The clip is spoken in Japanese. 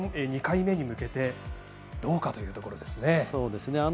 ２回目に向けてどうかというところですね。